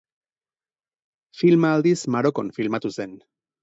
Filma aldiz Marokon filmatu zen.